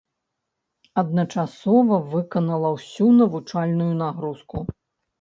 Адначасова выканала ўсю навучальную нагрузку.